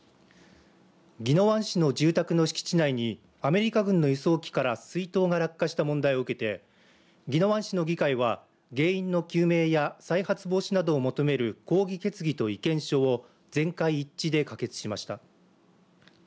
宜野湾市の住宅の敷地内にアメリカ軍の輸送機から水筒が落下した問題を受けて宜野湾市の議会は原因の究明や再発防止などを求める抗議決議と意見書を全会一致で可決しました。